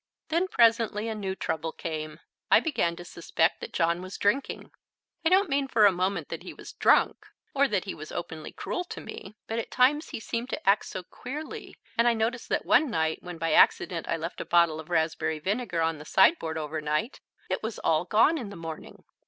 Then presently a new trouble came. I began to suspect that John was drinking. I don't mean for a moment that he was drunk, or that he was openly cruel to me. But at times he seemed to act so queerly, and I noticed that one night when by accident I left a bottle of raspberry vinegar on the sideboard overnight, it was all gone in the morning.